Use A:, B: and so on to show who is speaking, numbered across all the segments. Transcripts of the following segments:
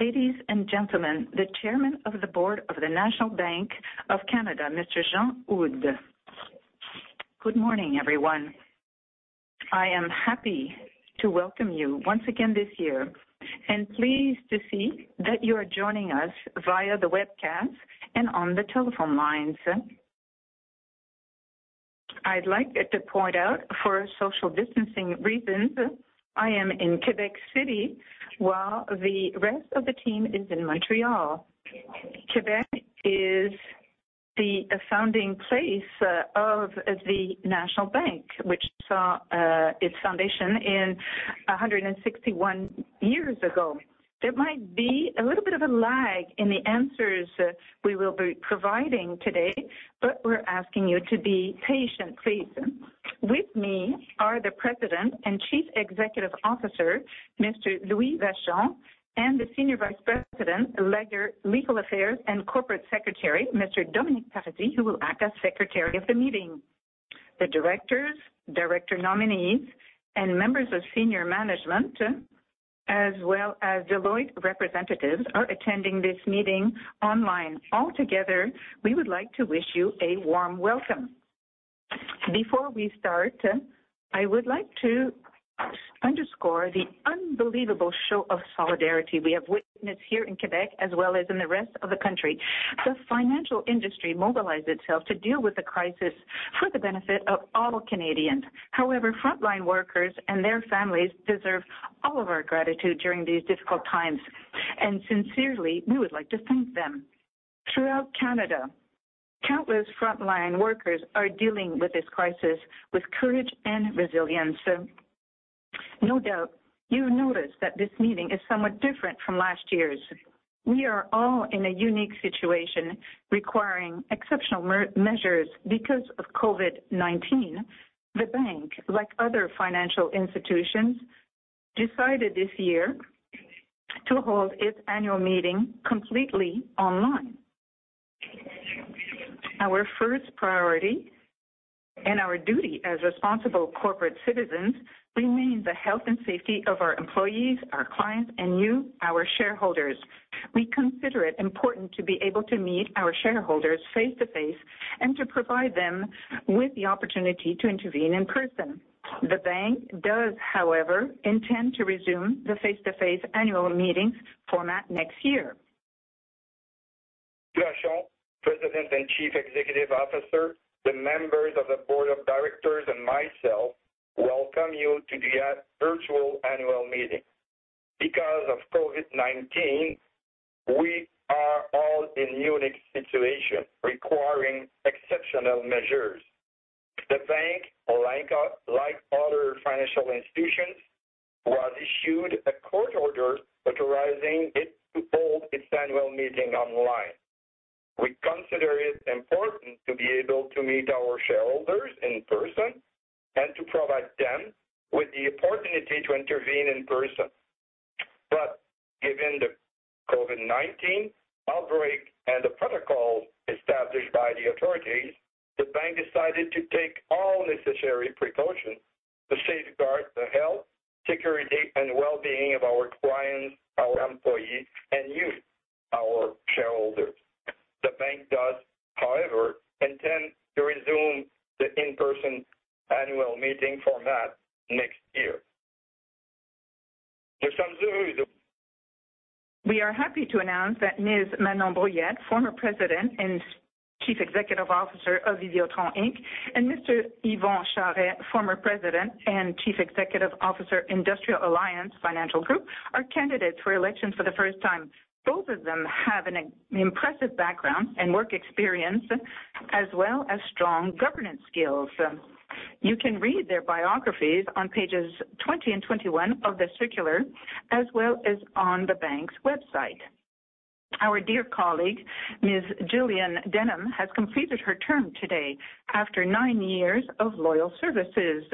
A: Ladies and gentlemen, the Chairman of the Board of the National Bank of Canada, Mr. Jean Houde.
B: Good morning, everyone. I am happy to welcome you once again this year, and pleased to see that you are joining us via the webcast and on the telephone lines. I'd like to point out, for social distancing reasons, I am in Québec City while the rest of the team is in Montréal. Québec is the founding place of the National Bank, which saw its foundation 161 years ago. There might be a little bit of a lag in the answers we will be providing today, but we're asking you to be patient, please. With me are the President and Chief Executive Officer, Mr. Louis Vachon, and the Senior Vice President, Legal Affairs, and Corporate Secretary, Mr. Dominic Paradis, who will act as Secretary of the meeting. The directors, director nominees, and members of senior management, as well as Deloitte representatives, are attending this meeting online. Altogether, we would like to wish you a warm welcome. Before we start, I would like to underscore the unbelievable show of solidarity we have witnessed here in Québec, as well as in the rest of the country. The financial industry mobilized itself to deal with the crisis for the benefit of all Canadians. However, frontline workers and their families deserve all of our gratitude during these difficult times, and sincerely, we would like to thank them. Throughout Canada, countless frontline workers are dealing with this crisis with courage and resilience. No doubt, you notice that this meeting is somewhat different from last year's. We are all in a unique situation requiring exceptional measures because of COVID-19. The bank, like other financial institutions, decided this year to hold its annual meeting completely online. Our first priority and our duty as responsible corporate citizens remains the health and safety of our employees, our clients, and you, our shareholders. We consider it important to be able to meet our shareholders face-to-face and to provide them with the opportunity to intervene in person. The bank does, however, intend to resume the face-to-face annual meeting format next year. Vachon, President and Chief Executive Officer; the members of the Board of Directors; and myself welcome you to the virtual annual meeting. Because of COVID-19, we are all in a unique situation requiring exceptional measures. The Bank, like other financial institutions, has issued a court order authorizing it to hold its annual meeting online. We consider it important to be able to meet our shareholders in person and to provide them with the opportunity to intervene in person, but given the COVID-19 outbreak and the protocols established by the authorities, the bank decided to take all necessary precautions to safeguard the health, security, and well-being of our clients, our employees, and you, our shareholders. The Bank does, however, intend to resume the in-person annual meeting format next year. We are happy to announce that Ms. Manon Brouillette, former President and Chief Executive Officer of Vidéotron Inc, and Mr. Yvon Charest, former President and Chief Executive Officer, Industrial Alliance Financial Group, are candidates for election for the first time. Both of them have an impressive background and work experience, as well as strong governance skills. You can read their biographies on pages 20 and 21 of the circular, as well as on the bank's website. Our dear colleague, Ms. Gillian Denham, has completed her term today after nine years of loyal services.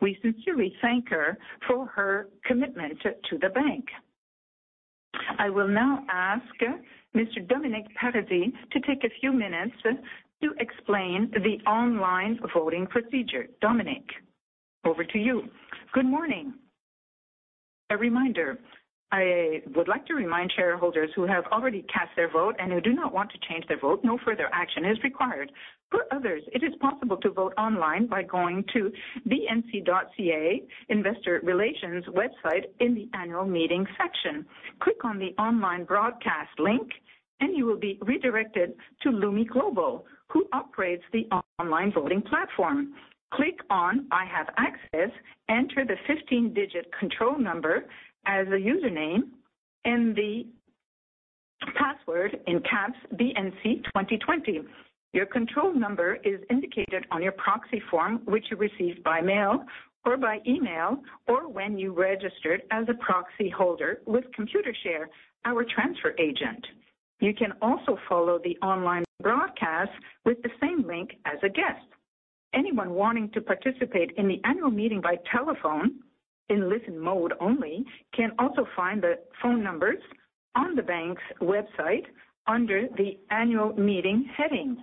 B: We sincerely thank her for her commitment to the bank. I will now ask Mr. Dominic Paradis to take a few minutes to explain the online voting procedure. Dominic, over to you.
C: Good morning. A reminder, I would like to remind shareholders who have already cast their vote and who do not want to change their vote: No further action is required. For others, it is possible to vote online by going to the nbc.ca investor relations website, in the annual meeting section. Click on the online broadcast link, and you will be redirected to Lumi Global, who operates the online voting platform. Click on "I have access," enter the 15-digit control number as a username, and the password, in caps, "BNC2020." Your control number is indicated on your proxy form, which you received by mail or by email, or when you registered as a proxy holder with Computershare, our transfer agent. You can also follow the online broadcast with the same link as a guest. Anyone wanting to participate in the annual meeting by telephone, in listen mode only, can also find the phone numbers on the bank's website, under the annual meeting heading.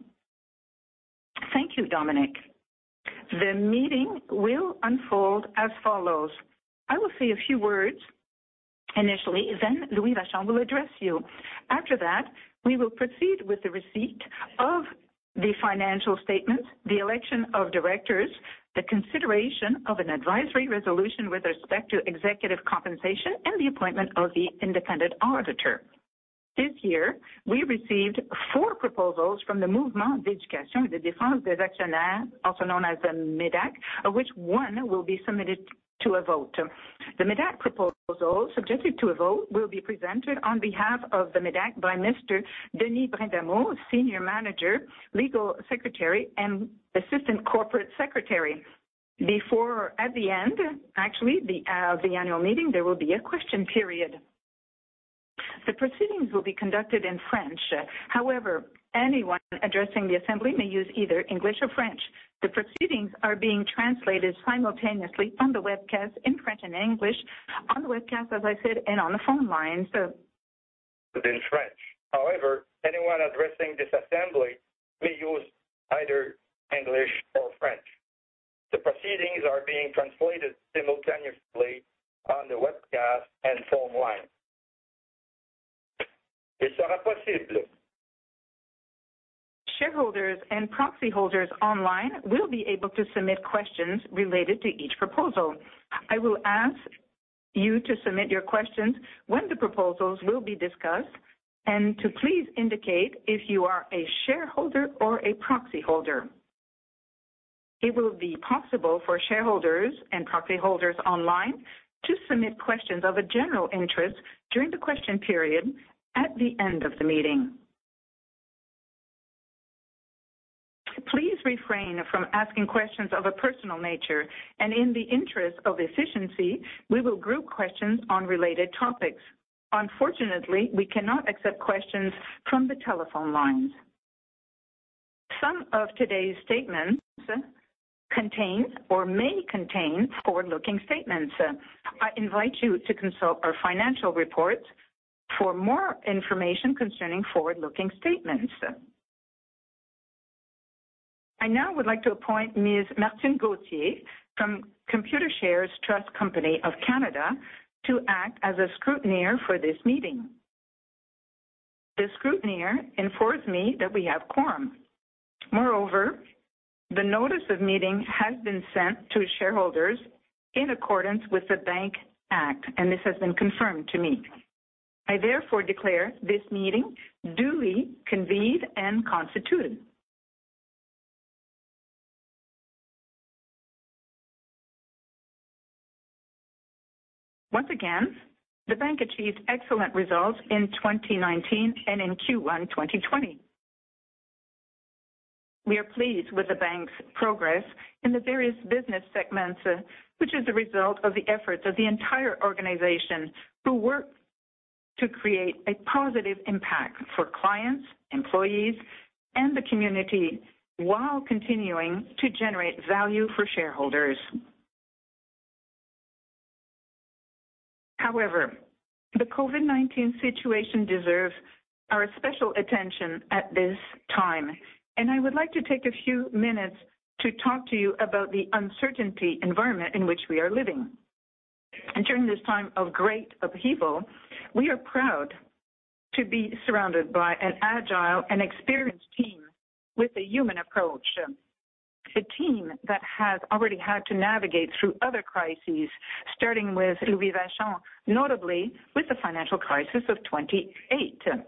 B: Thank you, Dominic. The meeting will unfold as follows. I will say a few words initially, then Louis Vachon will address you. After that, we will proceed with the receipt of the financial statements, the election of directors, the consideration of an advisory resolution with respect to executive compensation, and the appointment of the independent auditor. This year, we received four proposals from the Mouvement d'éducation et de défense des actionnaires, also known as the MÉDAC, of which one will be submitted to a vote. The MÉDAC proposal, subjected to a vote, will be presented on behalf of the MÉDAC by Mr. Denis Brind'Amour, Senior Manager, Legal, Secretary, and Assistant Corporate Secretary. At the end, actually, of the annual meeting, there will be a question period. The proceedings will be conducted in French. However, anyone addressing the assembly may use either English or French. The proceedings are being translated simultaneously on the webcast in French and English, on the webcast, as I said, and on the phone lines, in French. However, anyone addressing this assembly may use either English or French. The proceedings are being translated simultaneously on the webcast and phone lines. Shareholders and proxy holders online will be able to submit questions related to each proposal. I will ask you to submit your questions when the proposals will be discussed and to please indicate if you are a shareholder or a proxy holder. It will be possible for shareholders and proxy holders online to submit questions of a general interest during the question period at the end of the meeting. Please refrain from asking questions of a personal nature, and in the interest of efficiency, we will group questions on related topics. Unfortunately, we cannot accept questions from the telephone lines. Some of today's statements contain or may contain forward-looking statements. I invite you to consult our financial reports for more information concerning forward-looking statements. I now would like to appoint Ms. Martine Gauthier from Computershare's Trust Company of Canada to act as a scrutineer for this meeting. The scrutineer informs me that we have quorum. Moreover, the notice of meeting has been sent to shareholders in accordance with the Bank Act, and this has been confirmed to me. I therefore declare this meeting duly convened and constituted. Once again, the bank achieved excellent results in 2019 and in Q1 2020. We are pleased with the bank's progress in the various business segments, which is the result of the efforts of the entire organization who work to create a positive impact for clients, employees, and the community while continuing to generate value for shareholders. However, the COVID-19 situation deserves our special attention at this time, and I would like to take a few minutes to talk to you about the uncertainty environment in which we are living. And during this time of great upheaval, we are proud to be surrounded by an agile and experienced team with a human approach, a team that has already had to navigate through other crises, starting with Louis Vachon, notably with the financial crisis of [2028].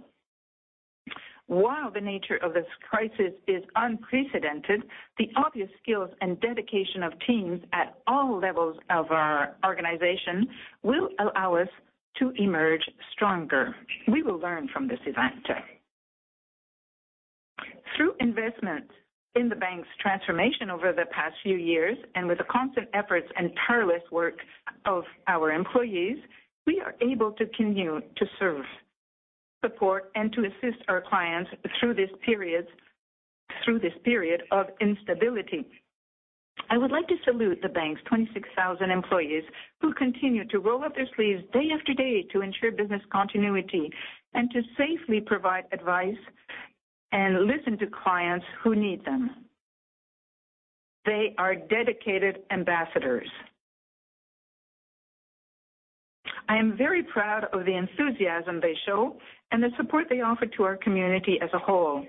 B: While the nature of this crisis is unprecedented, the obvious skills and dedication of teams at all levels of our organization will allow us to emerge stronger. We will learn from this event. Through investment in the bank's transformation over the past few years and with the constant efforts and tireless work of our employees, we are able to continue to serve, support, and to assist our clients through this period of instability. I would like to salute the bank's 26,000 employees who continue to roll up their sleeves day after day to ensure business continuity and to safely provide advice and listen to clients who need them. They are dedicated ambassadors. I am very proud of the enthusiasm they show and the support they offer to our community as a whole.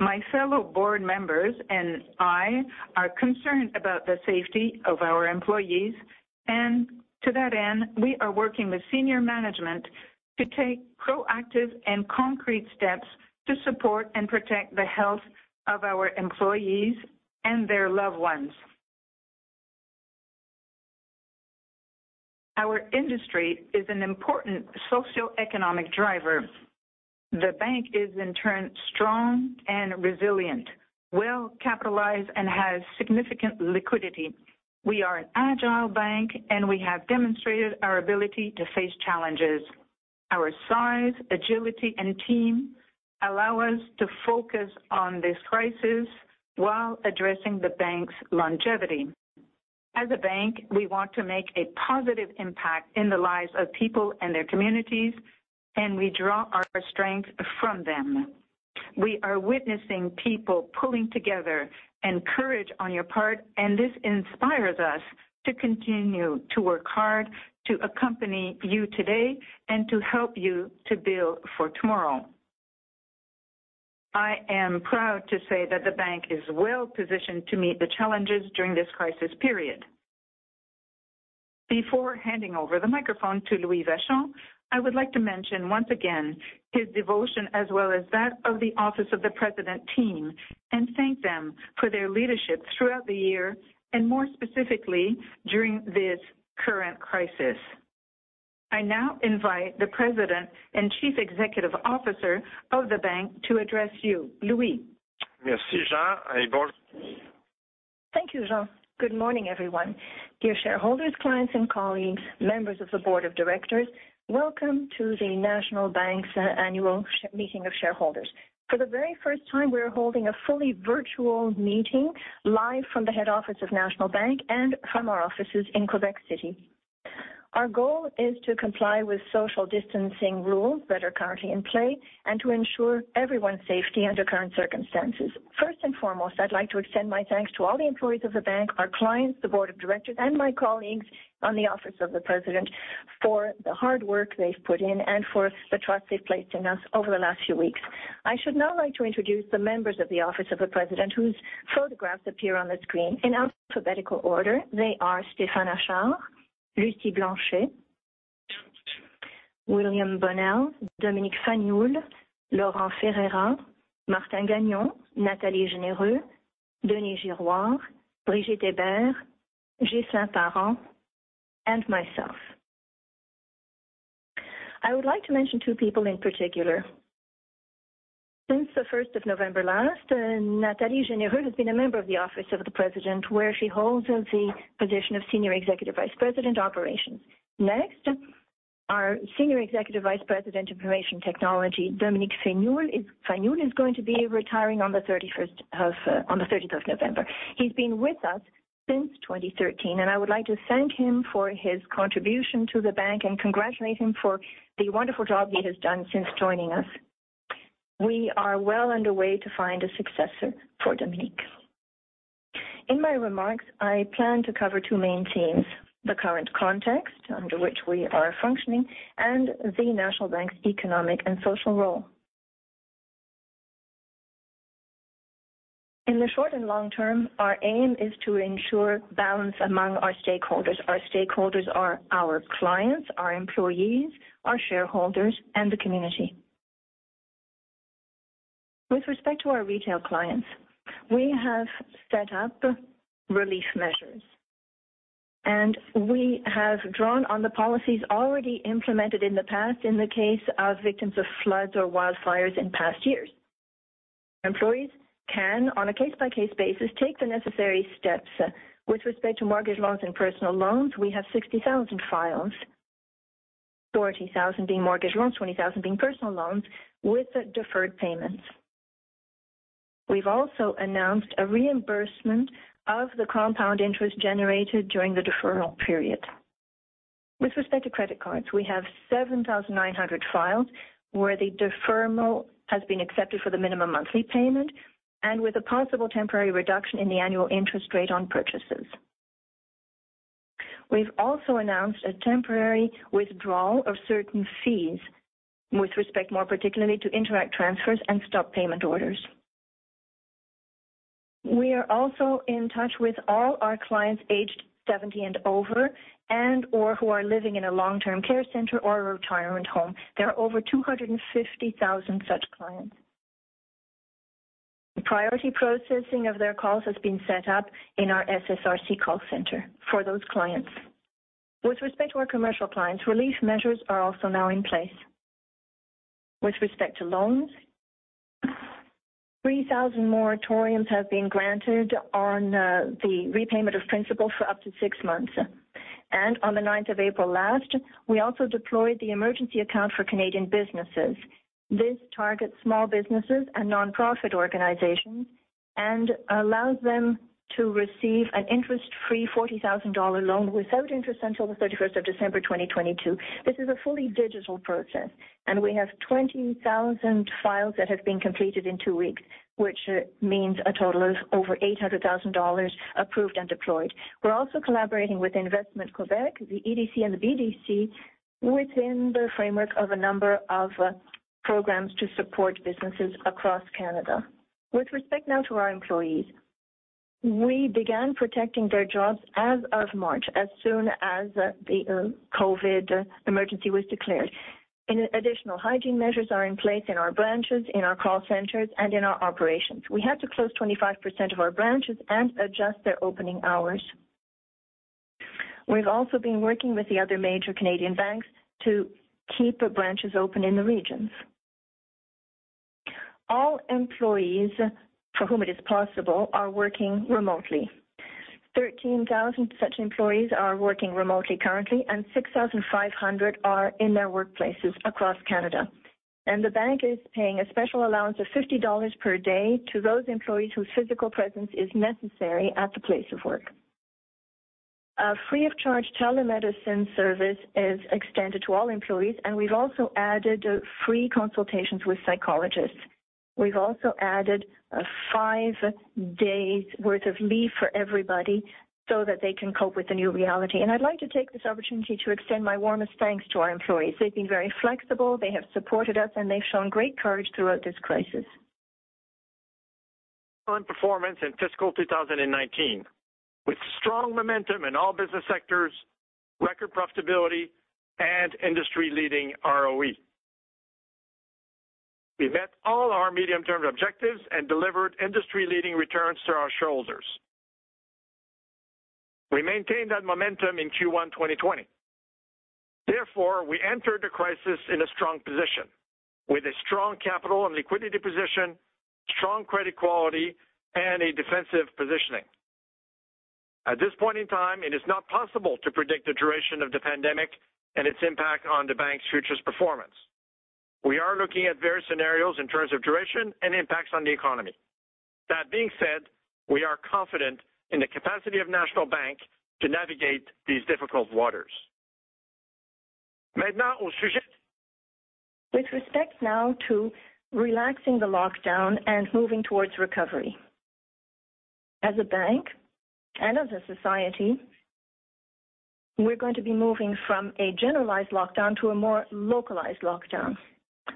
B: My fellow board members and I are concerned about the safety of our employees, and to that end, we are working with senior management to take proactive and concrete steps to support and protect the health of our employees and their loved ones. Our industry is an important socioeconomic driver. The bank is, in turn, strong and resilient, well capitalized, and has significant liquidity. We are an agile bank, and we have demonstrated our ability to face challenges. Our size, agility, and team allow us to focus on this crisis while addressing the bank's longevity. As a bank, we want to make a positive impact in the lives of people and their communities, and we draw our strength from them. We are witnessing people pulling together, and courage on your part, and this inspires us to continue to work hard to accompany you today and to help you to build for tomorrow. I am proud to say that the bank is well positioned to meet the challenges during this crisis period. Before handing over the microphone to Louis Vachon, I would like to mention once again his devotion, as well as that of the Office of the President team, and thank them for their leadership throughout the year, and more specifically during this current crisis. I now invite the President and Chief Executive Officer of the bank to address you. Louis?
D: Thank you, Jean. Good morning, everyone. Dear shareholders, clients, and colleagues, members of the Board of Directors, welcome to the National Bank's Annual Meeting of Shareholders. For the very first time, we are holding a fully virtual meeting live from the head office of National Bank and from our offices in Québec City. Our goal is to comply with social distancing rules that are currently in play and to ensure everyone's safety under current circumstances. First and foremost, I'd like to extend my thanks to all the employees of the bank, our clients, the Board of Directors, and my colleagues on the Office of the President for the hard work they've put in and for the trust they've placed in us over the last few weeks. I should now like to introduce the members of the Office of the President, whose photographs appear on the screen, in alphabetical order. They are Stéphane Achard, Lucie Blanchet, William Bonnell, Dominic Fagnoule, Laurent Ferreira, Martin Gagnon, Nathalie Généreux, Denis Girouard, Brigitte Hébert, Ghislain Parent, and myself. I would like to mention two people in particular. Since the 1st of November last, Nathalie Généreux has been a member of the Office of the President, where she holds the position of Senior Executive Vice President, Operations. Next, our Senior Executive Vice President, Information Technology, Dominic Fagnoule, is going to be retiring on the 30th of November. He's been with us since 2013, and I would like to thank him for his contribution to the bank and congratulate him for the wonderful job he has done since joining us. We are well underway to find a successor for Dominic. In my remarks, I plan to cover two main themes: the current context under which we are functioning and the National Bank's economic and social role. In the short and long term, our aim is to ensure balance among our stakeholders. Our stakeholders are our clients, our employees, our shareholders, and the community. With respect to our retail clients, we have set up relief measures, and we have drawn on the policies already implemented in the past in the case of victims of floods or wildfires in past years. Employees can, on a case-by-case basis, take the necessary steps. With respect to mortgage loans and personal loans, we have 60,000 files, 40,000 being mortgage loans, 20,000 being personal loans, with deferred payments. We've also announced a reimbursement of the compound interest generated during the deferral period. With respect to credit cards, we have 7,900 files where the deferral has been accepted for the minimum monthly payment and with a possible temporary reduction in the annual interest rate on purchases. We've also announced a temporary withdrawal of certain fees with respect more particularly to Interac transfers and stop payment orders. We are also in touch with all our clients aged 70 and over and/or who are living in a long-term care center or a retirement home. There are over 250,000 such clients. Priority processing of their calls has been set up in our SSRC call center for those clients. With respect to our commercial clients, relief measures are also now in place. With respect to loans, 3,000 moratoriums have been granted on the repayment of principal for up to six months. On the 9th of April last, we also deployed the emergency account for Canadian businesses. This targets small businesses and nonprofit organizations and allows them to receive an interest-free CAD 40,000 loan without interest until the 31st of December 2022. This is a fully digital process, and we have 20,000 files that have been completed in two weeks, which means a total of over 800,000 dollars approved and deployed. We're also collaborating with Investissement Québec, the EDC, and the BDC within the framework of a number of programs to support businesses across Canada. With respect now to our employees, we began protecting their jobs as of March, as soon as the COVID emergency was declared. Additional hygiene measures are in place in our branches, in our call centers, and in our operations. We had to close 25% of our branches and adjust their opening hours. We've also been working with the other major Canadian banks to keep branches open in the regions. All employees, for whom it is possible, are working remotely. 13,000 such employees are working remotely currently, and 6,500 are in their workplaces across Canada. The bank is paying a special allowance of 50 dollars per day to those employees whose physical presence is necessary at the place of work. A free-of-charge telemedicine service is extended to all employees, and we've also added free consultations with psychologists. We've also added five days' worth of leave for everybody so that they can cope with the new reality. I'd like to take this opportunity to extend my warmest thanks to our employees. They've been very flexible, they have supported us, and they've shown great courage throughout this crisis. Performance in fiscal 2019, with strong momentum in all business sectors, record profitability, and industry-leading ROE. We met all our medium-term objectives and delivered industry-leading returns to our shareholders. We maintained that momentum in Q1 2020. Therefore, we entered the crisis in a strong position with a strong capital and liquidity position, strong credit quality, and a defensive positioning. At this point in time, it is not possible to predict the duration of the pandemic and its impact on the bank's future performance. We are looking at various scenarios in terms of duration and impacts on the economy. That being said, we are confident in the capacity of National Bank to navigate these difficult waters. With respect now to relaxing the lockdown and moving towards recovery. As a bank and as a society, we're going to be moving from a generalized lockdown to a more localized lockdown.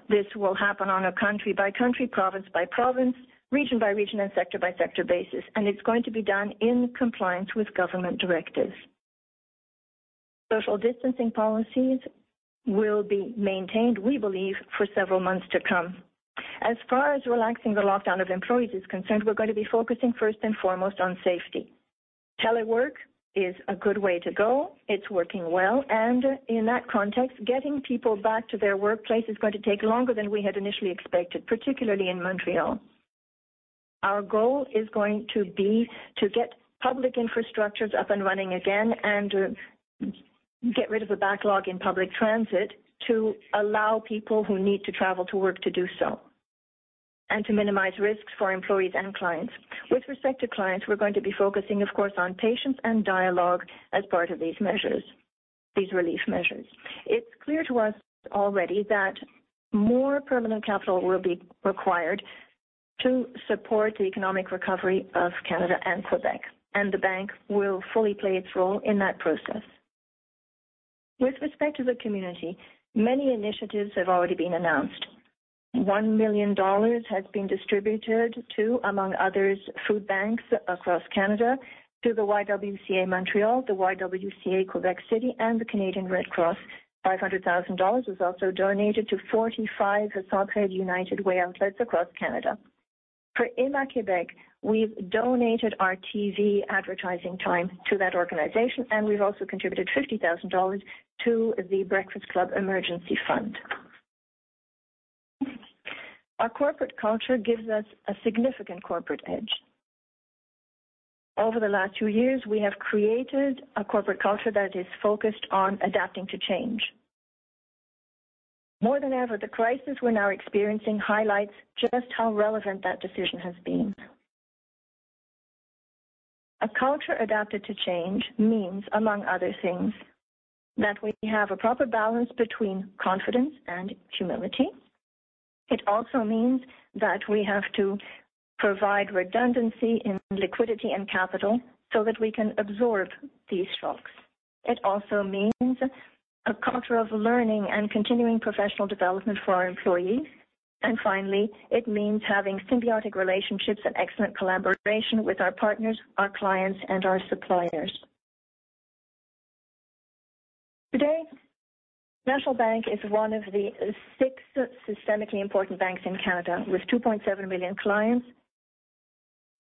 D: This will happen on a country-by-country, province-by-province, region-by-region, and sector-by-sector basis, and it's going to be done in compliance with government directives. Social distancing policies will be maintained, we believe, for several months to come. As far as relaxing the lockdown of employees is concerned, we're going to be focusing first and foremost on safety. Telework is a good way to go. It's working well, and in that context, getting people back to their workplace is going to take longer than we had initially expected, particularly in Montréal. Our goal is going to be to get public infrastructures up and running again and get rid of the backlog in public transit to allow people who need to travel to work to do so and to minimize risks for employees and clients. With respect to clients, we're going to be focusing, of course, on patience and dialogue as part of these measures, these relief measures. It's clear to us already that more permanent capital will be required to support the economic recovery of Canada and Québec, and the bank will fully play its role in that process. With respect to the community, many initiatives have already been announced. 1 million dollars has been distributed to, among others, food banks across Canada, through the YWCA Montréal, the YWCA Québec City, and the Canadian Red Cross. 500,000 dollars was also donated to 45 Centraide United Way outlets across Canada. For Héma-Québec, we've donated our TV advertising time to that organization, and we've also contributed 50,000 dollars to the Breakfast Club emergency fund. Our corporate culture gives us a significant corporate edge. Over the last two years, we have created a corporate culture that is focused on adapting to change. More than ever, the crisis we're now experiencing highlights just how relevant that decision has been. A culture adapted to change means, among other things, that we have a proper balance between confidence and humility. It also means that we have to provide redundancy in liquidity and capital so that we can absorb these shocks. It also means a culture of learning and continuing professional development for our employees. And finally, it means having symbiotic relationships and excellent collaboration with our partners, our clients, and our suppliers. Today, National Bank is one of the six systemically important banks in Canada, with 2.7 million clients,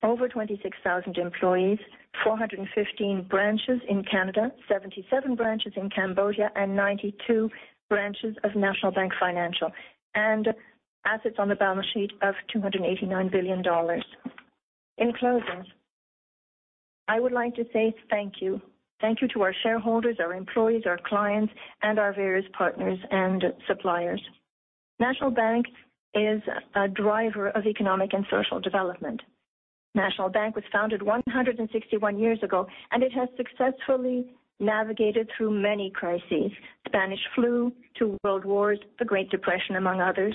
D: over 26,000 employees, 415 branches in Canada, 77 branches in Cambodia, and 92 branches of National Bank Financial, and assets on the balance sheet of 289 billion dollars. In closing, I would like to say thank you. Thank you to our shareholders, our employees, our clients, and our various partners and suppliers. National Bank is a driver of economic and social development. National Bank was founded 161 years ago, and it has successfully navigated through many crises: Spanish flu, two World Wars, the Great Depression, among others.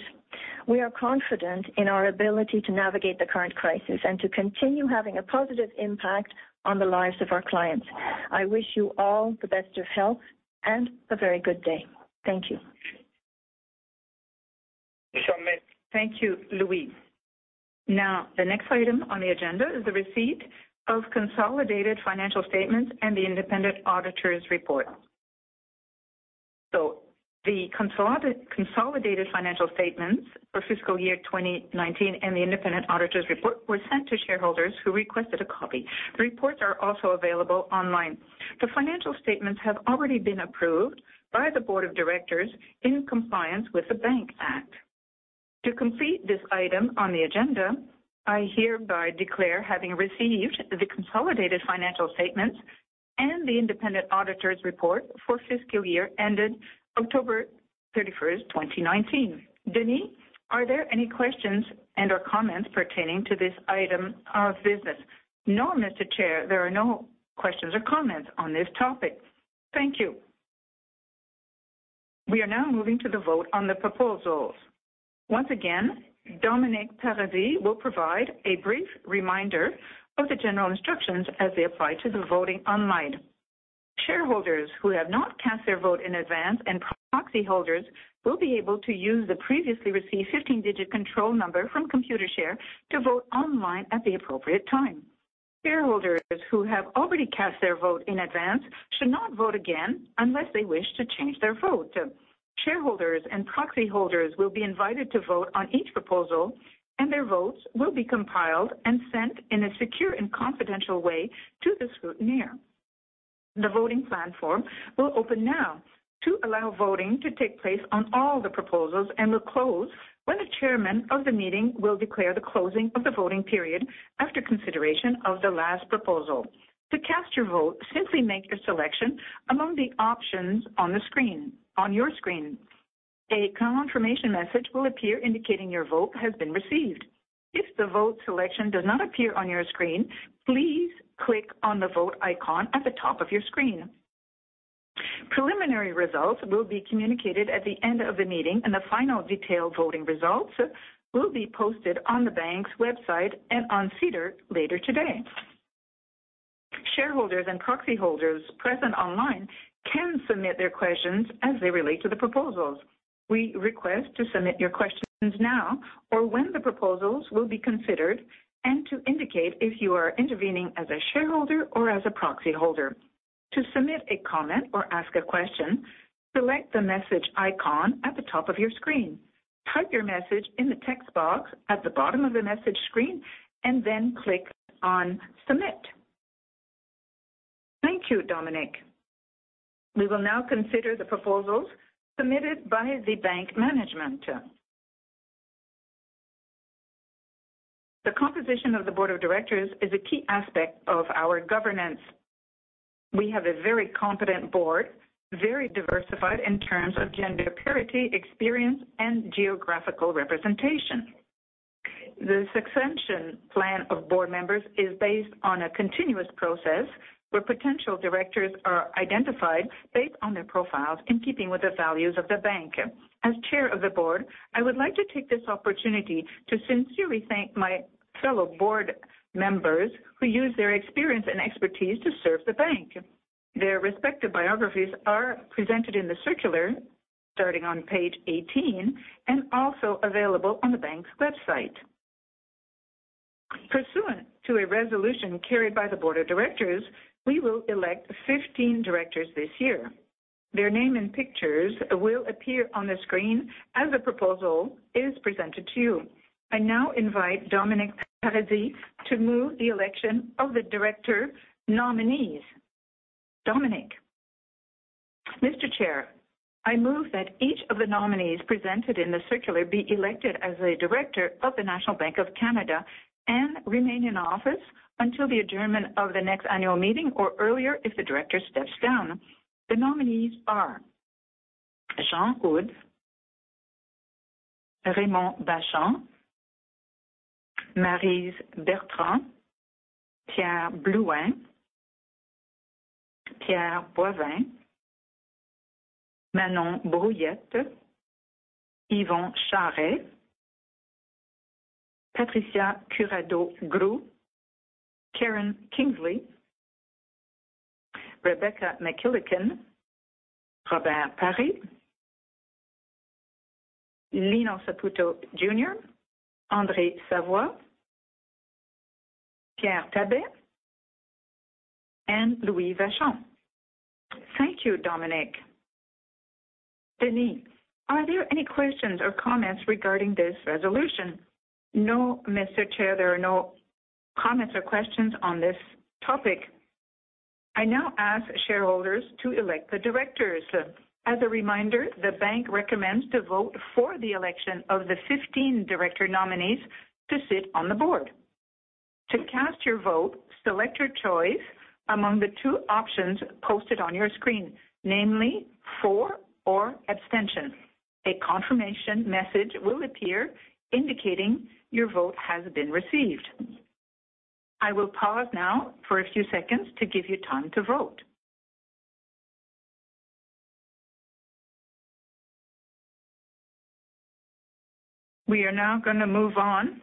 D: We are confident in our ability to navigate the current crisis and to continue having a positive impact on the lives of our clients. I wish you all the best of health and a very good day. Thank you.
B: Thank you, Louis. Now, the next item on the agenda is the receipt of consolidated financial statements and the independent auditor's report. The consolidated financial statements for fiscal year 2019 and the independent auditor's report were sent to shareholders who requested a copy. Reports are also available online. The financial statements have already been approved by the Board of Directors in compliance with the Bank Act. To complete this item on the agenda, I hereby declare having received the consolidated financial statements and the independent auditor's report for fiscal year ended October 31st, 2019. Denis, are there any questions and/or comments pertaining to this item of business?
E: No, Mr. Chair, there are no questions or comments on this topic.
B: Thank you. We are now moving to the vote on the proposals. Once again, Dominic Paradis will provide a brief reminder of the general instructions as they apply to the voting online.
C: Shareholders who have not cast their vote in advance and proxy holders will be able to use the previously received 15-digit control number from Computershare to vote online at the appropriate time. Shareholders who have already cast their vote in advance should not vote again unless they wish to change their vote. Shareholders and proxy holders will be invited to vote on each proposal, and their votes will be compiled and sent in a secure and confidential way to the scrutineer. The voting platform will open now to allow voting to take place on all the proposals and will close when the Chairman of the meeting will declare the closing of the voting period after consideration of the last proposal. To cast your vote, simply make a selection among the options on your screen. A confirmation message will appear indicating your vote has been received. If the vote selection does not appear on your screen, please click on the vote icon at the top of your screen. Preliminary results will be communicated at the end of the meeting, and the final detailed voting results will be posted on the bank's website and on SEDAR later today. Shareholders and proxy holders present online can submit their questions as they relate to the proposals. We request to submit your questions now or when the proposals will be considered and to indicate if you are intervening as a shareholder or as a proxy holder. To submit a comment or ask a question, select the message icon at the top of your screen. Type your message in the text box at the bottom of the message screen and then click on submit.
B: Thank you, Dominic. We will now consider the proposals submitted by the bank management. The composition of the Board of Directors is a key aspect of our governance. We have a very competent board very diversified in terms of gender parity, experience, and geographical representation. The succession plan of board members is based on a continuous process where potential directors are identified based on their profiles in keeping with the values of the bank. As Chair of the Board, I would like to take this opportunity to sincerely thank my fellow board members who use their experience and expertise to serve the bank. Their respective biographies are presented in the circular starting on page 18 and also available on the bank's website. Pursuant to a resolution carried by the Board of Directors, we will elect 15 directors this year. Their name and pictures will appear on the screen as the proposal is presented to you. I now invite Dominic Paradis to move the election of the director nominees. Dominic?
C: Mr. Chair, I move that each of the nominees presented in the circular be elected as a director of the National Bank of Canada and remain in office until the adjournment of the next annual meeting or earlier if the director steps down. The nominees are Jean Houde, Raymond Bachand, Maryse Bertrand, Pierre Blouin, Pierre Boivin, Manon Brouillette, Yvon Charest, Patricia Curadeau-Grou, Karen Kinsley, Rebecca McKillican, Robert Paré, Lino Saputo Jr., Andrée Savoie, Pierre Thabet, and Louis Vachon.
B: Thank you, Dominic. [Denis], are there any questions or comments regarding this resolution?
E: No, Mr. Chair, there are no comments or questions on this topic.
B: I now ask shareholders to elect the directors. As a reminder, the bank recommends the vote for the election of the 15 director nominees to sit on the board. To cast your vote, select your choice among the two options posted on your screen, namely for or abstention. A confirmation message will appear indicating your vote has been received. I will pause now for a few seconds to give you time to vote. We are now going to move on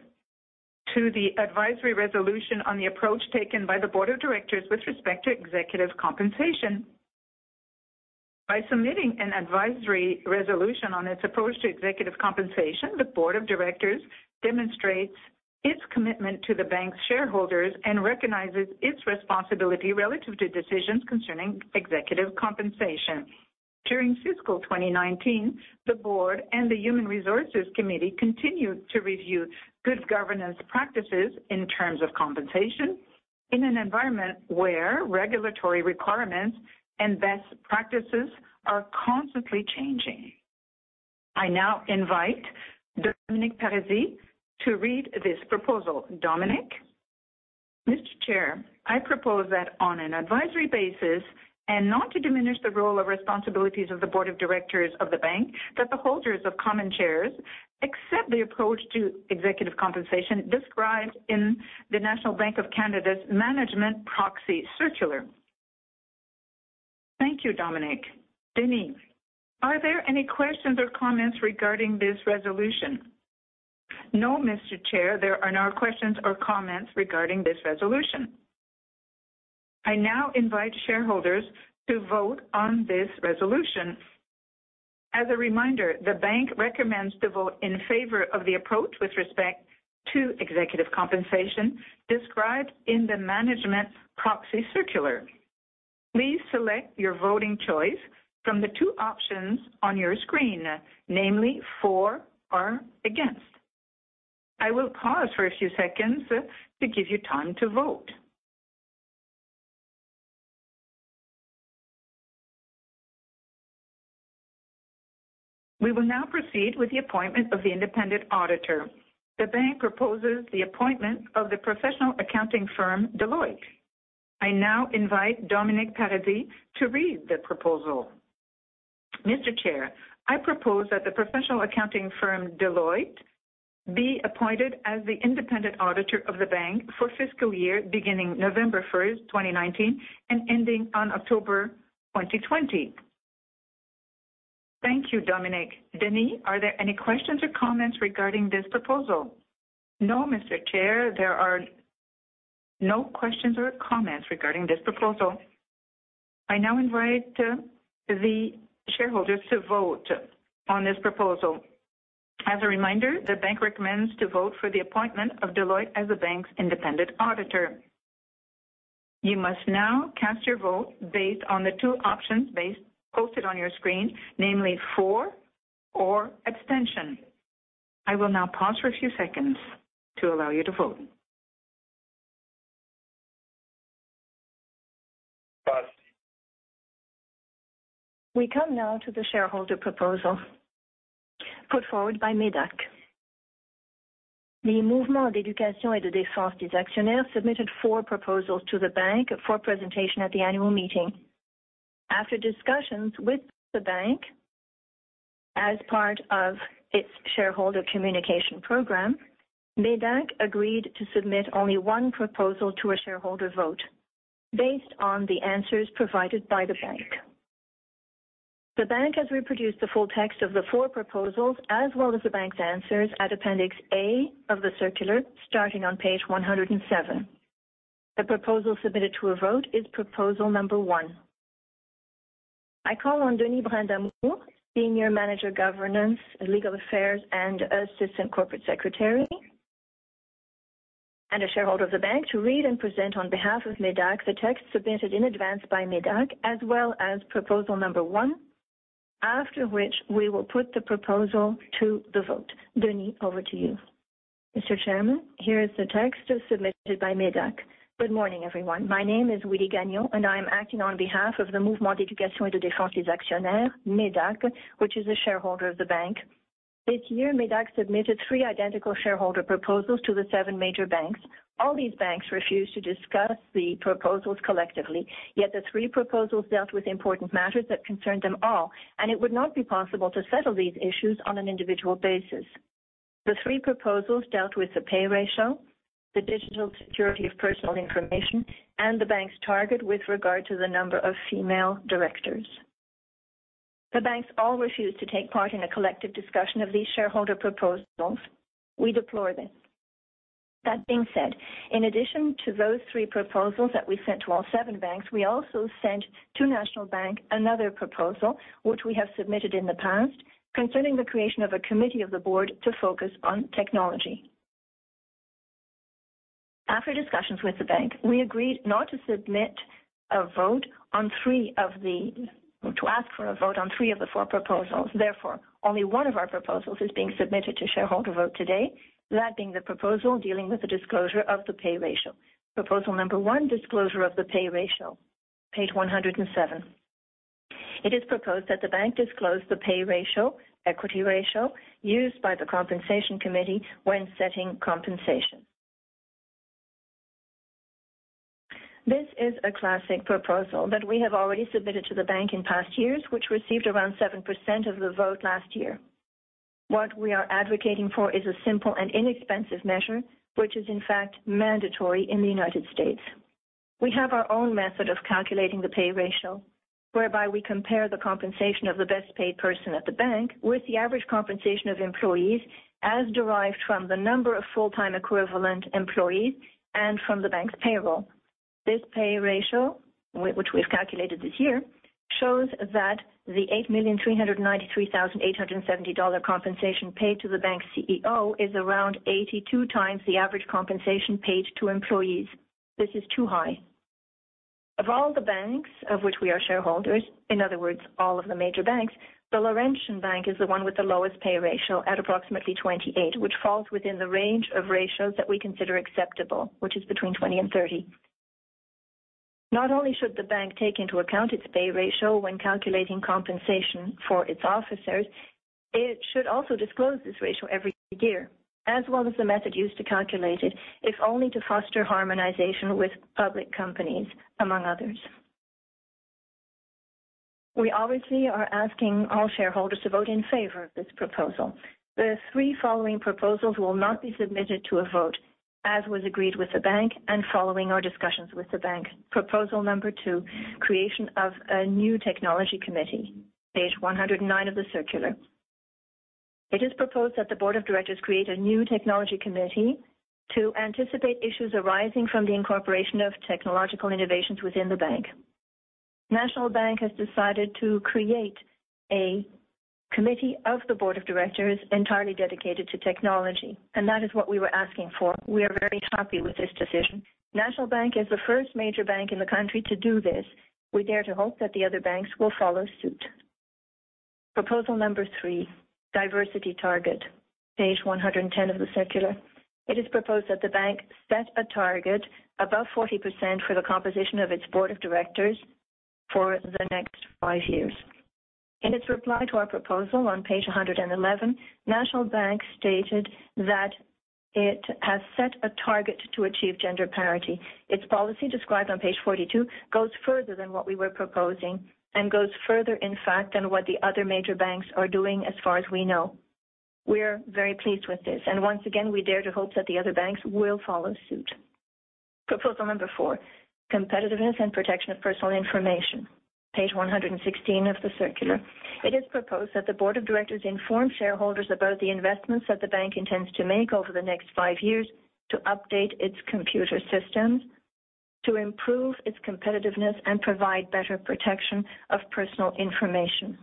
B: to the advisory resolution on the approach taken by the Board of Directors with respect to executive compensation. By submitting an advisory resolution on its approach to executive compensation, the Board of Directors demonstrates its commitment to the bank's shareholders and recognizes its responsibility relative to decisions concerning executive compensation. During fiscal 2019, the board and the Human Resources Committee continued to review good governance practices in terms of compensation in an environment where regulatory requirements and best practices are constantly changing. I now invite Dominic Paradis to read this proposal. Dominic?
C: Mr. Chair, I propose that on an advisory basis and not to diminish the role or responsibilities of the Board of Directors of the bank, that the holders of common shares accept the approach to executive compensation described in the National Bank of Canada's Management Proxy Circular.
B: Thank you, Dominic. [Denis], are there any questions or comments regarding this resolution?
E: No, Mr. Chair, there are no questions or comments regarding this resolution.
B: I now invite shareholders to vote on this resolution. As a reminder, the bank recommends to vote in favor of the approach with respect to executive compensation described in the Management Proxy Circular. Please select your voting choice from the two options on your screen, namely for or against. I will pause for a few seconds to give you time to vote. We will now proceed with the appointment of the independent auditor. The bank proposes the appointment of the professional accounting firm Deloitte. I now invite Dominic Paradis to read the proposal.
C: Mr. Chair, I propose that the professional accounting firm Deloitte be appointed as the independent auditor of the bank for fiscal year beginning November 1st, 2019, and ending on October 2020.
B: Thank you, Dominic. [Denis], are there any questions or comments regarding this proposal?
E: No, Mr. Chair, there are no questions or comments regarding this proposal.
B: I now invite the shareholders to vote on this proposal. As a reminder, the bank recommends to vote for the appointment of Deloitte as the bank's independent auditor. You must now cast your vote based on the two options posted on your screen, namely for or abstention. I will now pause for a few seconds to allow you to vote. We come now to the shareholder proposal put forward by MÉDAC. Le Mouvement d'éducation et de défense des actionnaires submitted four proposals to the bank for presentation at the annual meeting. After discussions with the bank as part of its shareholder communication program, MÉDAC agreed to submit only one proposal to a shareholder vote based on the answers provided by the bank. The bank has reproduced the full text of the four proposals as well as the Bank's answers at appendix A of the circular starting on page 107. The proposal submitted to a vote is proposal number one. I call on Denis Brind'Amour, Senior Manager, Governance, Legal Affairs, and Assistant Corporate Secretary, and a shareholder of the bank, to read and present on behalf of MÉDAC the text submitted in advance by MÉDAC as well as proposal number one, after which we will put the proposal to the vote. Denis, over to you.
E: Mr. Chairman, here is the text submitted by MÉDAC. Good morning, everyone. My name is Willie Gagnon, and I am acting on behalf of the Mouvement d'éducation et de défense des actionnaires, MÉDAC, which is a shareholder of the bank. This year, MÉDAC submitted three identical shareholder proposals to the seven major banks. All these banks refused to discuss the proposals collectively, yet the three proposals dealt with important matters that concerned them all, and it would not be possible to settle these issues on an individual basis. The three proposals dealt with the pay ratio, the digital security of personal information, and the bank's target with regard to the number of female directors. The banks all refused to take part in a collective discussion of these shareholder proposals. We deplore this. That being said, in addition to those three proposals that we sent to all seven banks, we also sent to National Bank another proposal, which we have submitted in the past, concerning the creation of a committee of the board to focus on technology. After discussions with the bank, we agreed not to submit a vote on three of the four proposals or to ask for a vote on three of the four proposals. Therefore, only one of our proposals is being submitted to shareholder vote today, that being the proposal dealing with the disclosure of the pay ratio. Proposal number one, disclosure of the pay ratio, page 107. It is proposed that the bank disclose the pay ratio, equity ratio, used by the Compensation Committee when setting compensation. This is a classic proposal that we have already submitted to the bank in past years, which received around 7% of the vote last year. What we are advocating for is a simple and inexpensive measure, which is in fact mandatory in the United States. We have our own method of calculating the pay ratio, whereby we compare the compensation of the best-paid person at the bank with the average compensation of employees as derived from the number of full-time equivalent employees and from the bank's payroll. This pay ratio, which we've calculated this year, shows that the 8,393,870 dollar compensation paid to the bank's CEO is around 82x the average compensation paid to employees. This is too high. Of all the banks of which we are shareholders, in other words, all of the major banks, the Laurentian Bank is the one with the lowest pay ratio at approximately 28x, which falls within the range of ratios that we consider acceptable, which is between 20x and 30x. Not only should the bank take into account its pay ratio when calculating compensation for its officers, it should also disclose this ratio every year, as well as the method used to calculate it, if only to foster harmonization with public companies, among others. We obviously are asking all shareholders to vote in favor of this proposal. The three following proposals will not be submitted to a vote, as was agreed with the bank and following our discussions with the bank. Proposal number two, creation of a new technology committee, page 109 of the circular. It is proposed that the Board of Directors create a new technology committee to anticipate issues arising from the incorporation of technological innovations within the bank. National Bank has decided to create a committee of the Board of Directors entirely dedicated to technology, and that is what we were asking for. We are very happy with this decision. National Bank is the first major bank in the country to do this. We dare to hope that the other banks will follow suit. Proposal number three, diversity target, page 110 of the circular. It is proposed that the Bank set a target above 40% for the composition of its Board of Directors for the next five years. In its reply to our proposal on page 111, National Bank stated that it has set a target to achieve gender parity. Its policy, described on page 42, goes further than what we were proposing and goes further, in fact, than what the other major banks are doing as far as we know. We are very pleased with this, and once again, we dare to hope that the other banks will follow suit. Proposal number four, competitiveness and protection of personal information, page 116 of the circular. It is proposed that the Board of Directors inform shareholders about the investments that the bank intends to make over the next five years to update its computer systems, to improve its competitiveness, and provide better protection of personal information.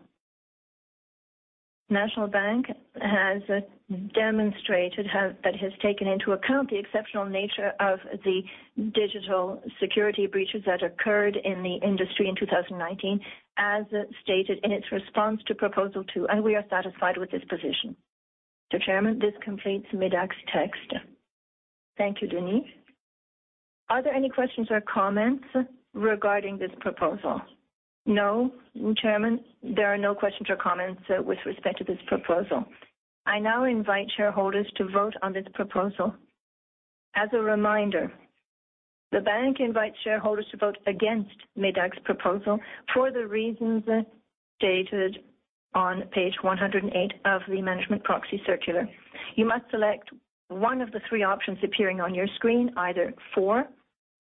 E: National Bank has demonstrated that it has taken into account the exceptional nature of the digital security breaches that occurred in the industry in 2019, as stated in its response to proposal two, and we are satisfied with this position. Mr. Chairman, this completes MÉDAC's text.
B: Thank you, Denis. Are there any questions or comments regarding this proposal?
E: No, Chairman, there are no questions or comments with respect to this proposal.
B: I now invite shareholders to vote on this proposal. As a reminder, the bank invites shareholders to vote against MÉDAC's proposal for the reasons stated on page 108 of the Management Proxy Circular. You must select one of the three options appearing on your screen, either for,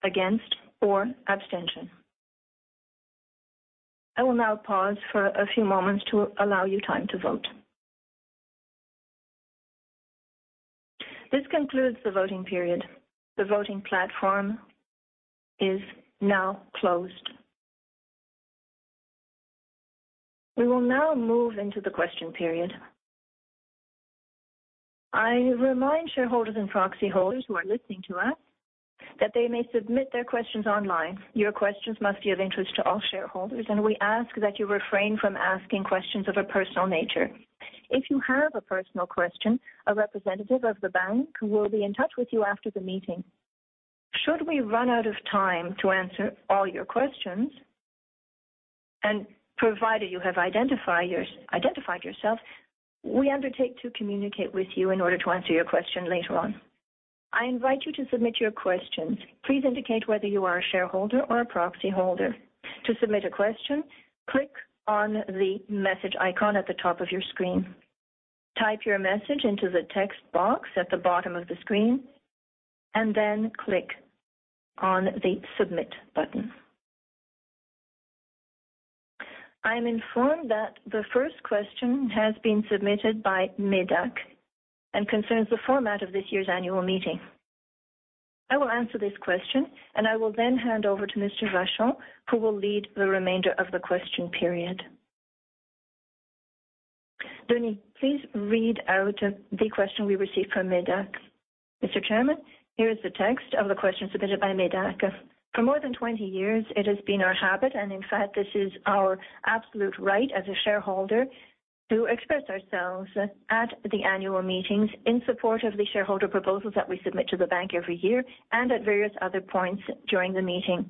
B: against, or abstention. I will now pause for a few moments to allow you time to vote. This concludes the voting period. The voting platform is now closed. We will now move into the question period. I remind shareholders and proxy holders who are listening to us that they may submit their questions online. Your questions must be of interest to all shareholders, and we ask that you refrain from asking questions of a personal nature. If you have a personal question, a representative of the bank will be in touch with you after the meeting. Should we run out of time to answer all your questions, and provided you have identified yourself, we undertake to communicate with you in order to answer your question later on. I invite you to submit your questions. Please indicate whether you are a shareholder or a proxy holder. To submit a question, click on the message icon at the top of your screen. Type your message into the text box at the bottom of the screen, and then click on the submit button. I am informed that the first question has been submitted by MÉDAC and concerns the format of this year's annual meeting. I will answer this question, and I will then hand over to Mr. Vachon, who will lead the remainder of the question period. Denis, please read out the question we received from MÉDAC.
F: Mr. Chairman, here is the text of the question submitted by MÉDAC. For more than 20 years, it has been our habit, and in fact, this is our absolute right as a shareholder, to express ourselves at the annual meetings in support of the shareholder proposals that we submit to the bank every year and at various other points during the meeting.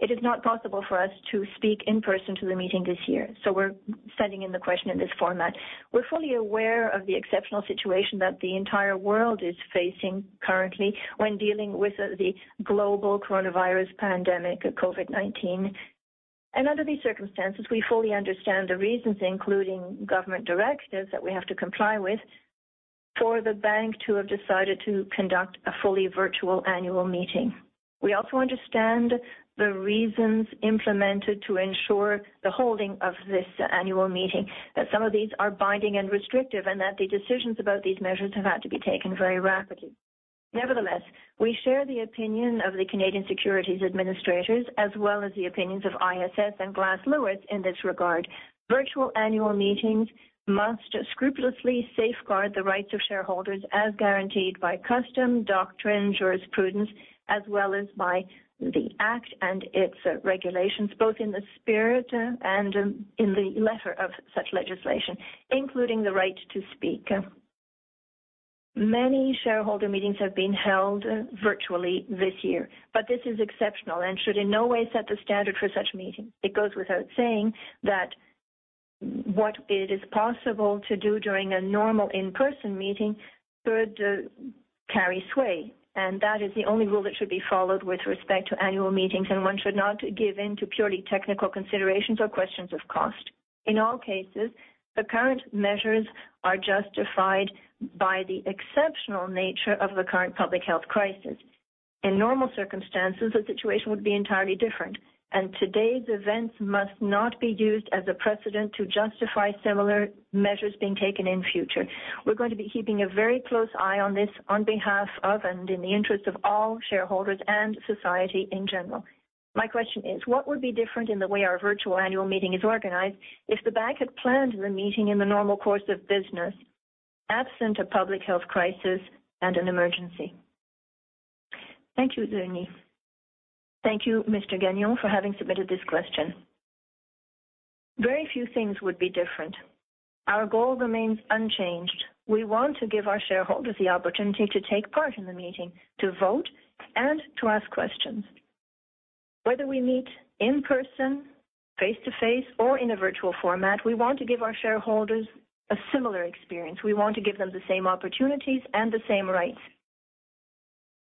F: It is not possible for us to speak in person to the meeting this year, so we're sending in the question in this format. We're fully aware of the exceptional situation that the entire world is facing currently when dealing with the global coronavirus pandemic, COVID-19. And under these circumstances, we fully understand the reasons, including government directives that we have to comply with, for the bank to have decided to conduct a fully virtual annual meeting. We also understand the reasons implemented to ensure the holding of this annual meeting, that some of these are binding and restrictive, and that the decisions about these measures have had to be taken very rapidly. Nevertheless, we share the opinion of the Canadian Securities Administrators, as well as the opinions of ISS and Glass Lewis in this regard. Virtual annual meetings must scrupulously safeguard the rights of shareholders as guaranteed by custom, doctrine, jurisprudence, as well as by the Act and its regulations, both in the spirit and in the letter of such legislation, including the right to speak. Many shareholder meetings have been held virtually this year, but this is exceptional and should in no way set the standard for such meetings. It goes without saying that what is possible to do during a normal in-person meeting could carry sway, and that is the only rule that should be followed with respect to annual meetings, and one should not give in to purely technical considerations or questions of cost. In all cases, the current measures are justified by the exceptional nature of the current public health crisis. In normal circumstances, the situation would be entirely different, and today's events must not be used as a precedent to justify similar measures being taken in future. We're going to be keeping a very close eye on this on behalf of and in the interest of all shareholders and society in general. My question is, what would be different in the way our virtual annual meeting is organized if the bank had planned the meeting in the normal course of business, absent a public health crisis and an emergency?
B: Thank you, Denis. Thank you, Mr. Gagnon, for having submitted this question. Very few things would be different. Our goal remains unchanged. We want to give our shareholders the opportunity to take part in the meeting, to vote, and to ask questions. Whether we meet in person, face-to-face, or in a virtual format, we want to give our shareholders a similar experience. We want to give them the same opportunities and the same rights.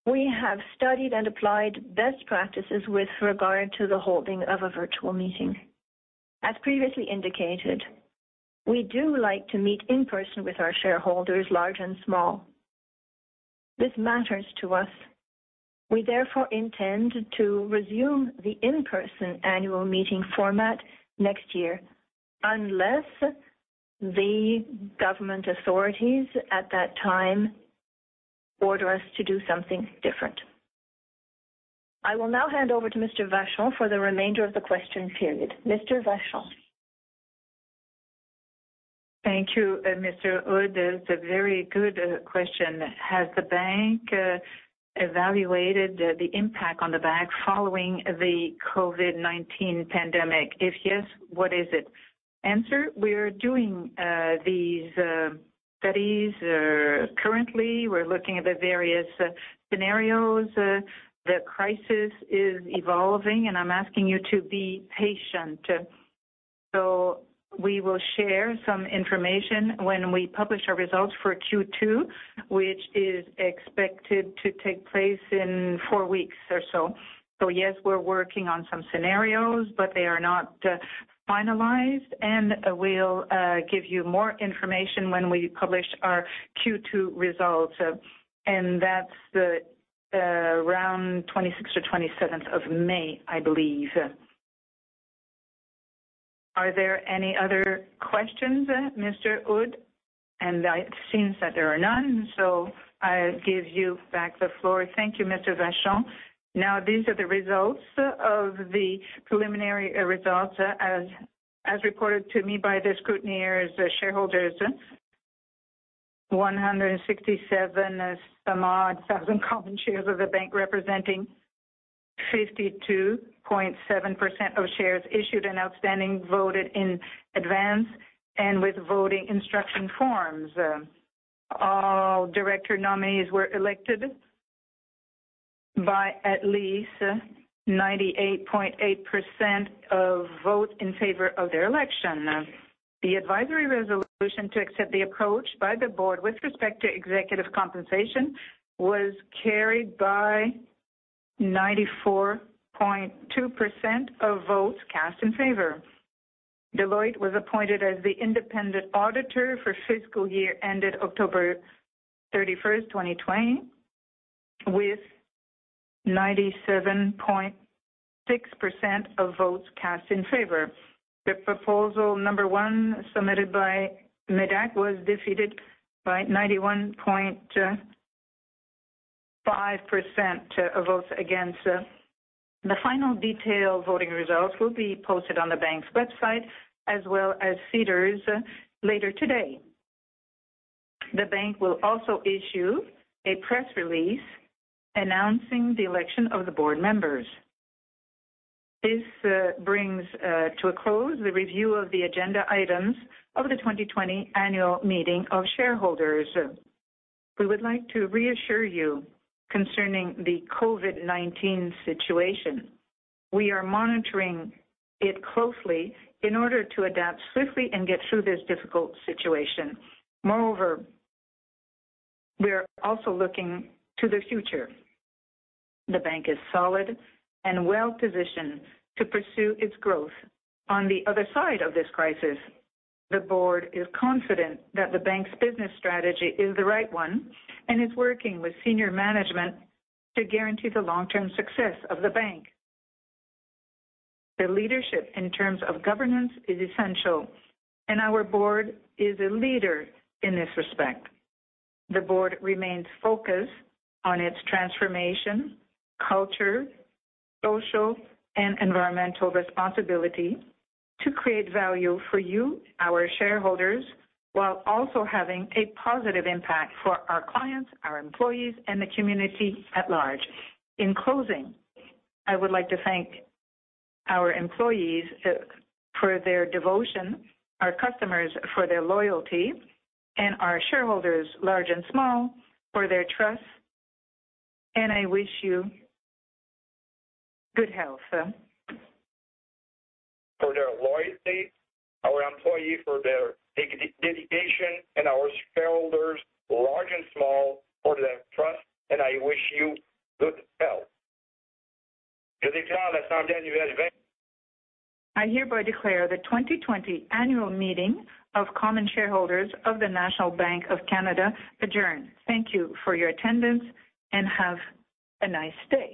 B: We have studied and applied best practices with regard to the holding of a virtual meeting. As previously indicated, we do like to meet in person with our shareholders, large and small. This matters to us. We therefore intend to resume the in-person annual meeting format next year unless the government authorities at that time order us to do something different. I will now hand over to Mr. Vachon for the remainder of the question period. Mr. Vachon?
D: Thank you, Mr. Houde. That's a very good question. Has the bank evaluated the impact on the bank following the COVID-19 pandemic? If yes, what is it? Answer, we are doing these studies currently. We're looking at the various scenarios. The crisis is evolving, and I'm asking you to be patient. So we will share some information when we publish our results for Q2, which is expected to take place in four weeks or so. So yes, we're working on some scenarios, but they are not finalized, and we'll give you more information when we publish our Q2 results. And that's around 26th or 27th of May, I believe. Are there any other questions, Mr. Houde? And it seems that there are none, so I give you back the floor.
B: Thank you, Mr. Vachon. Now, these are the results of the preliminary results as reported to me by the scrutineers. Shareholders, 167,000-some-odd common shares of the bank, representing 52.7% of shares issued and outstanding voted in advance and with voting instruction forms. All director nominees were elected by at least 98.8% of votes in favor of their election. The advisory resolution to accept the approach by the board with respect to executive compensation was carried by 94.2% of votes cast in favor. Deloitte was appointed as the independent auditor for fiscal year ended October 31st, 2020, with 97.6% of votes cast in favor. The proposal number one submitted by MÉDAC was defeated by 91.5% of votes against. The final detailed voting results will be posted on the bank's website as well as SEDAR's later today. The bank will also issue a press release announcing the election of the board members. This brings to a close the review of the agenda items of the 2020 Annual Meeting of Shareholders. We would like to reassure you concerning the COVID-19 situation. We are monitoring it closely in order to adapt swiftly and get through this difficult situation. Moreover, we're also looking to the future. The bank is solid and well positioned to pursue its growth. On the other side of this crisis, the board is confident that the bank's business strategy is the right one and is working with senior management to guarantee the long-term success of the bank. The leadership in terms of governance is essential, and our board is a leader in this respect. The board remains focused on its transformation, culture, social, and environmental responsibility to create value for you, our shareholders, while also having a positive impact for our clients, our employees, and the community at large. In closing, I would like to thank our employees for their devotion, our customers for their loyalty, and our shareholders, large and small, for their trust, and I wish you good health. I hereby declare the 2020 annual meeting of common shareholders of the National Bank of Canada adjourned. Thank you for your attendance, and have a nice day.